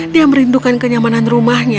dia merindukan kenyamanan rumahnya